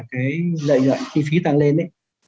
cái lợi nhuận chi phí tăng lên ấy